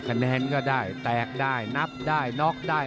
คะแนนก็ได้แตกได้นับได้น็อกได้